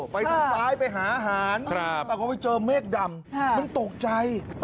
ไปทางซ้ายไปหาอาหารปรากฏว่าไปเจอเมฆดำมันตกใจ